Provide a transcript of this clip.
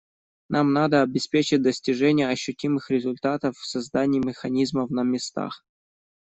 Нам надо обеспечить достижение ощутимых результатов в создании механизмов на местах.